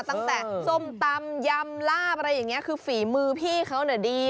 ตั้งแต่ส้มตำยำลาบอะไรอย่างนี้คือฝีมือพี่เขาเนี่ยดี